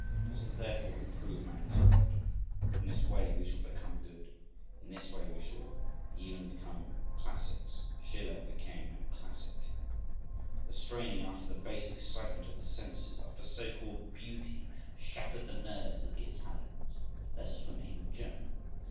Let us therefore improve mankind!—in this way we shall become good (in this way we shall even become "classics"—Schiller became a "classic"). The straining after the base excitement of the senses, after so called beauty, shattered the nerves of the Italians: let us remain German!